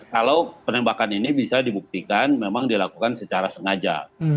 kalau penembakan ini bisa dibuktikan memang dilakukan secara sengaja